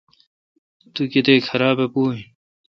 تو کتیک خراب ا پو این۔